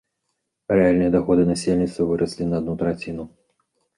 Рэальныя даходы насельніцтва выраслі на адну траціну.